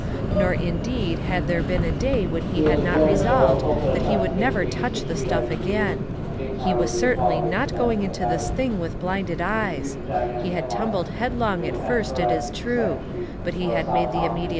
Nor, indeed, had there been a day when he had not resolved that he would never touch the stuff again. He was certainly not going into this thing with blinded eyes. He had tumbled headlong at first, it is true, but he had made the imme di.